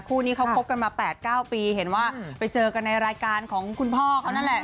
คู่นี้เขาคบกันมา๘๙ปีเห็นว่าไปเจอกันในรายการของคุณพ่อเขานั่นแหละ